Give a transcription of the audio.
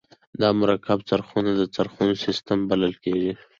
دا مرکب څرخونه د څرخونو سیستم بلل کیږي.